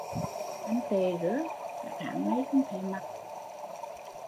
Anh tệ rứa, cả tháng nay không thấy mặt